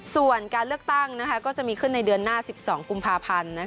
ส่วนการเลือกตั้งก็จะมีขึ้นในเดือนหน้า๑๒กุมภาพันธ์